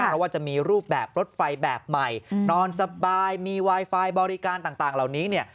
เพราะว่าจะมีรูปแบบรถไฟแบบใหม่นอนสบายมีไวไฟบริการต่างเหล่านี้เนี่ย